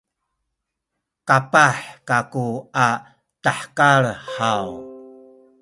kapah kaku a tahekal haw?